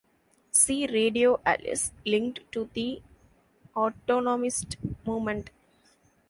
See Radio Alice, linked to the Autonomist movement.